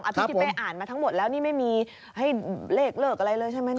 พี่ทิเป้อ่านมาทั้งหมดแล้วนี่ไม่มีให้เลขเลิกอะไรเลยใช่ไหม